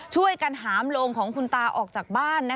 ช่วยกันหามโลงของคุณตาออกจากบ้าน